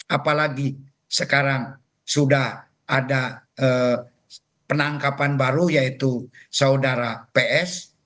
apalagi sekarang sudah ada penangkapan baru yaitu saudara ps